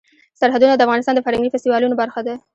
سرحدونه د افغانستان د فرهنګي فستیوالونو برخه ده.